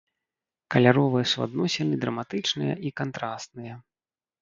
Каляровыя суадносіны драматычныя і кантрасныя.